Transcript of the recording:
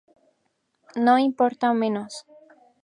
No importa menos.